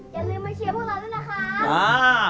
อย่าลืมมาเชียร์พวกเราด้วยนะคะ